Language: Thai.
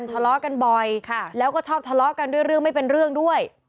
ทะเลาะกันบ่อยแล้วก็ชอบทะเลาะกันด้วยเรื่องไม่เป็นเรื่องด้วย